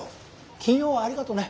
金曜はありがとね